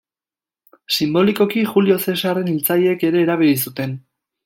Sinbolikoki, Julio Zesarren hiltzaileek ere erabili zuten.